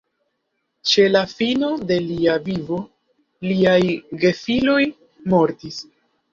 Ĉe la fino de lia vivo liaj gefiloj mortis.